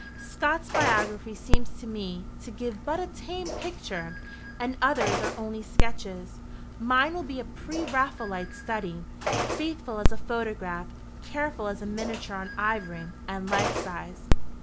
Scott's biography seems to me to give but a tame picture, and others are only sketches. Mine will be a pre Raphaelite study faithful as a photograph, careful as a miniature on ivory, and life size."